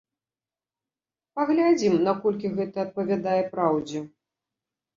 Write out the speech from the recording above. Паглядзім, наколькі гэта адпавядае праўдзе.